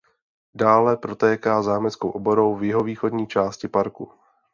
Dále protéká zámeckou oborou v jihovýchodní části parku.